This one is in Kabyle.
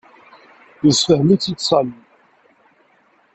Yessefhem-itt-id Sami.